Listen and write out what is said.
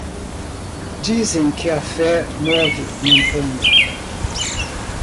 Dizem que a fé move montanha